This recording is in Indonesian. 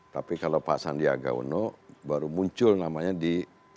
tapi kalau pak sandiaga uno baru muncul namanya di